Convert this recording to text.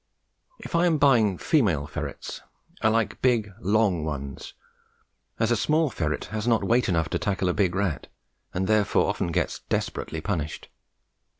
If I am buying female ferrets, I like big long ones, as a small ferret has not weight enough to tackle a big rat, and therefore often gets desperately punished.